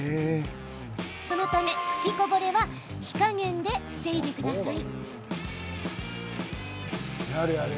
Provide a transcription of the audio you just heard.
そのため、吹きこぼれは火加減で防いでください。